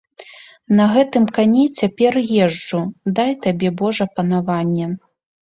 На гэтым кані цяпер езджу, дай табе божа панаванне.